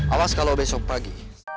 awas kalau besok pagi